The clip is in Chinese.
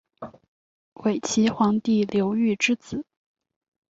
伪齐皇帝刘豫之子。